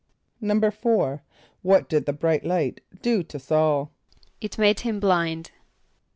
= =4.= What did the bright light do to S[a:]ul? =It made him blind.